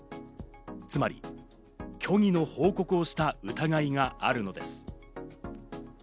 つまり虚偽の報告をした疑いがあるのです。